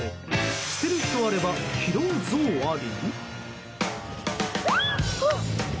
捨てる人あれば拾うゾウあり？